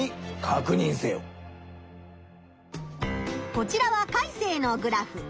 こちらはカイセイのグラフ。